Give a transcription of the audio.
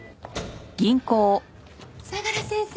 相良先生。